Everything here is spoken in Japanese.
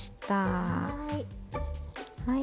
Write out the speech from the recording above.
はい。